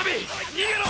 逃げろ！！